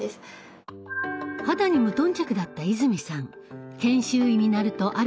肌に無頓着だった泉さん。